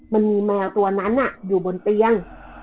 มันมีแมวตัวนั้นน่ะอยู่บนเตียง